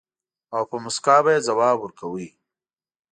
او په مُسکا به يې ځواب ورکاوه.